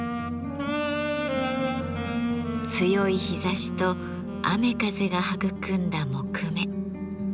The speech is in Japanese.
強い日ざしと雨風が育んだ木目。